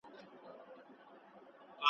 چي به خان کله سورلۍ ته وو بېولی `